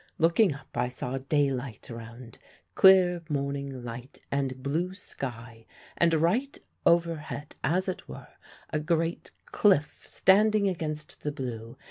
Looking up I saw daylight around clear morning light and blue sky and right overhead, as it were, a great cliff standing against the blue.